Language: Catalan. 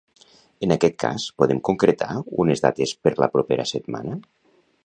En aquest cas podem concretar unes dates per la propera setmana